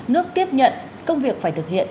nước tiếp nhận công việc phải thực hiện